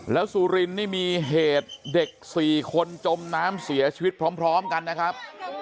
แล้วสุรินนี่มีเหตุเด็ก๔คนจมน้ำเสียชีวิตพร้อมกันนะครับ